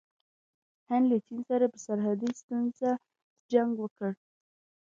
هند له چین سره په سرحدي ستونزه جنګ وکړ.